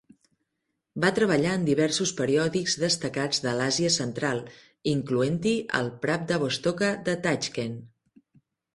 Va treballar en diversos periòdics destacats de l'Àsia central, incloent-hi el "Pravda Vostoka" de Taixkent.